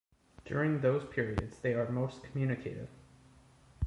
During those periods they are most communicative.